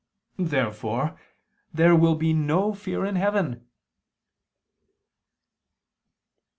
Therefore there will be no fear in heaven.